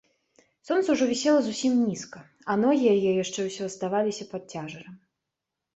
Сонца ўжо вісела зусім нізка, а ногі яе яшчэ ўсё аставаліся пад цяжарам.